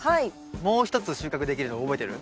もう一つ収穫できるの覚えてる？